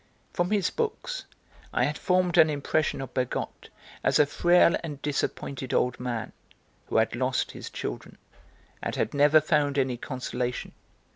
From his books I had formed an impression of Bergotte as a frail and disappointed old man, who had lost his children, and had never found any consolation.